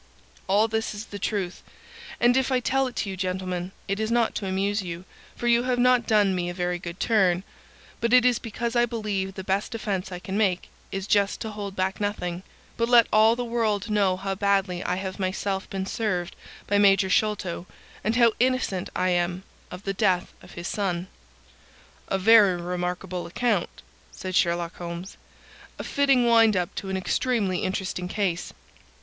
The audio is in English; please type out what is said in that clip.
All this is the truth, and if I tell it to you, gentlemen, it is not to amuse you,—for you have not done me a very good turn,—but it is because I believe the best defence I can make is just to hold back nothing, but let all the world know how badly I have myself been served by Major Sholto, and how innocent I am of the death of his son." "A very remarkable account," said Sherlock Holmes. "A fitting wind up to an extremely interesting case.